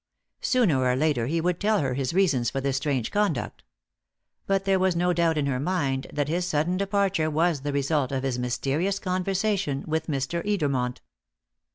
Sooner or later he would tell her his reasons for this strange conduct. But there was no doubt in her mind that his sudden departure was the result of his mysterious conversation with Mr. Edermont.